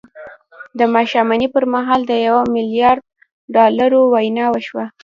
د ماښامنۍ پر مهال د يوه ميليارد ډالرو وينا وشوه.